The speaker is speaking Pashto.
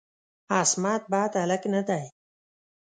عصمت بد هلک نه دی.